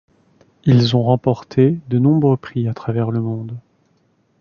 Ils ont remporté de nombreux prix à travers le monde.